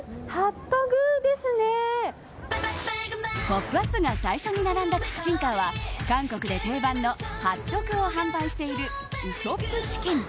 「ポップＵＰ！」が最初に並んだキッチンカーは韓国で定番のハットグを販売しているウソップチキン。